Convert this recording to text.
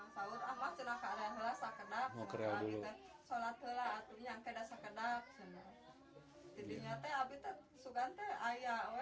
salah satu keluarga korban menyatakan anak mereka dijemput teman teman di selatan jawa